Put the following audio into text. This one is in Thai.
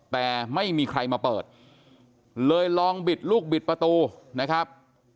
แต่ไม่มีใครมาเปิดเลยลองบิดลูกบิดประตูนะครับ